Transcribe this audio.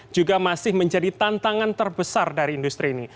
juga masih menjadi tantangan terbesar dari industri ini